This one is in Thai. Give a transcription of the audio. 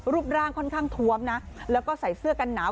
รูปร่างค่อนข้างทวมนะแล้วก็ใส่เสื้อกันหนาว